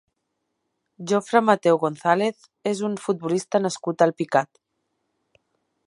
Jofre Mateu González és un futbolista nascut a Alpicat.